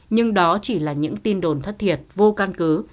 nhưng đó chỉ là những tin đồn thất thiệt vô căn cứ